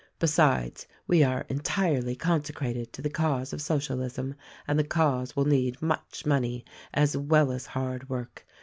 Besides, we are entirely consecrated to the cause of Socialism, and the cause will need much money as well as hard work.